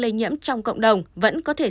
lây nhiễm trong cộng đồng vẫn có thể